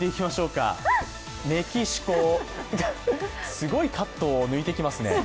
すごいカットを抜いてきますね。